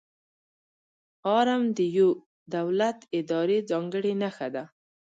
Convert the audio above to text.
آرم د یو دولت، ادارې ځانګړې نښه ده.